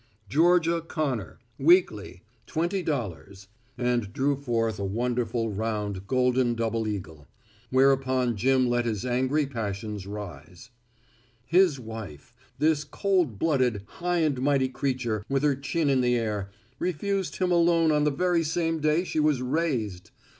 "Georgia Connor weekly twenty dollars." And drew forth a wonderful, round, golden double eagle. Whereupon Jim let his angry passions rise. His wife this cold blooded, high and mighty creature, with her chin in the air, refused him a loan on the very same day she was raised.